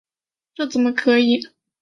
这怎么可以！